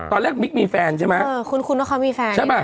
ตอนแรกมิกมีแฟนใช่ไหมเออคุ้นคุ้นว่าเขามีแฟนใช่ไหม